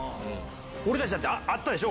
俺たちだってあったでしょ？